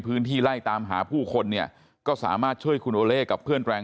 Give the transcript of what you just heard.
ไล่ตามหาผู้คนเนี่ยก็สามารถช่วยคุณโอเล่กับเพื่อนแรง